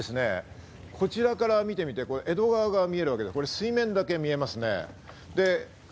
ただし、こちらから見て江戸川が見えるわけです、水面だけ見えますね。